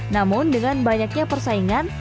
namun dengan banyaknya persaingan